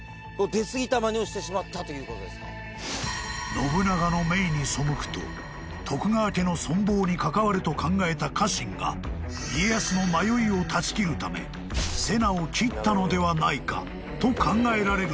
［信長の命に背くと徳川家の存亡に関わると考えた家臣が家康の迷いを断ち切るため瀬名を斬ったのではないか？と考えられるそう］